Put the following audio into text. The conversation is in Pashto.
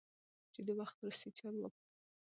چې د وخت روسی چارواکو،